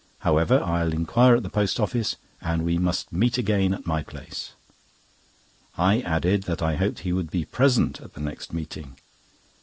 However, I'll inquire at the post office, and we must meet again at my place." I added that I hoped he would be present at the next meeting.